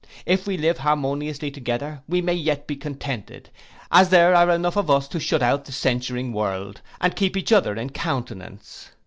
If we live harmoniously together, we may yet be contented, as there are enough of us to shut out the censuring world, and keep each other in countenance.